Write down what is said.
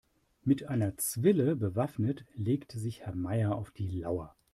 Mit einer Zwille bewaffnet legt sich Herr Meier auf die Lauer.